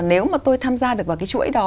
nếu mà tôi tham gia được vào cái chuỗi đó